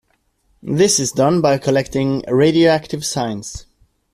This is done by collecting radioactive signs.